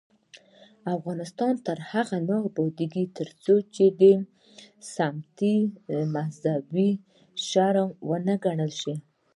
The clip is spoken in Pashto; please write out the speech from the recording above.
افغانستان تر هغو نه ابادیږي، ترڅو سمتي تعصب شرم ونه ګڼل شي.